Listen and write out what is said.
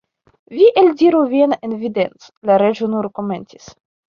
"Vi eldiru vian evidenc" la Reĝo nur komencis.